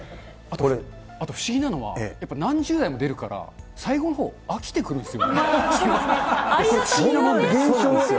不思議なのは、何十台も出るから、最後のほう、飽きてくるんですよ。